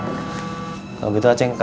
masih ada kebanyakan hal hal